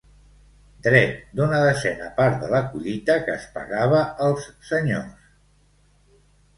Dret d'una desena part de la collita que es pagava als senyors.